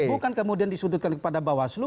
bukan kemudian disudutkan kepada bawaslu